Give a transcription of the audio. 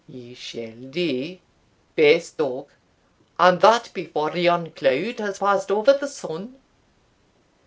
you shall die, base dog! and that before yon cloud has passed over the sun."